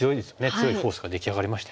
強いフォースが出来上がりましたよね。